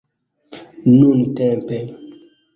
nuntempe